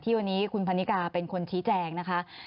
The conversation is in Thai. วันนี้คุณพันนิกาเป็นคนชี้แจงนะคะ